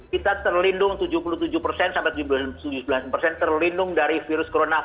kita terlindung tujuh puluh tujuh persen sampai tujuh belas persen terlindung dari virus corona